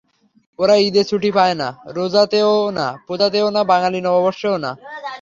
ওরা ঈদে ছুটি পায় না, রোজাতেও না, পূজাতেও না, বাঙালি নববর্ষেও না।